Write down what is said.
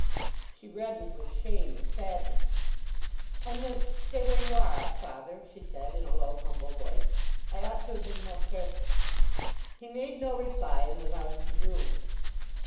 She reddened with shame and sadness. "I meant 'Stay where you are,' father," she said, in a low, humble voice. "I ought to have been more careful." He made no reply, and went out of the room.